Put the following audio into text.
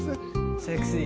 セクシー！